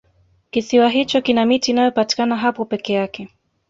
kisiwa hicho kina miti inayopatikana hapo peke yake